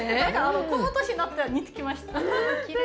この年になったら似てきました。